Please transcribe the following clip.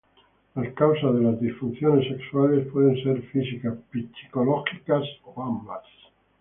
Las causas de las disfunciones sexuales pueden ser físicas, psicológicas o ambas.